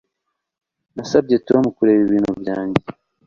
Nasabye Tom kureba ibintu byanjye